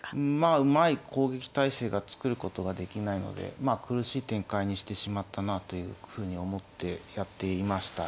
うまい攻撃態勢が作ることができないので苦しい展開にしてしまったなというふうに思ってやっていました。